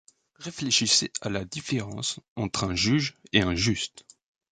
Réfléchissez à la différence entre un juge et un juste.